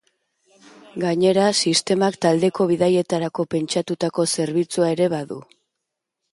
Gainera, sistemak taldeko bidaietarako pentsatutako zerbitzua ere badu.